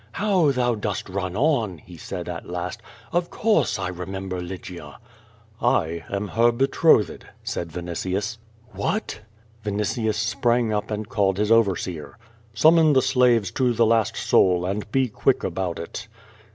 "How thou dost run on!" lie said at last. "Of course I remember Lygia." "I am her betrothed/^ said Vinitius. "WHatr* Vinitius sprang up and called his overseer. "Summon the slaves to the last soul, and be quick about it."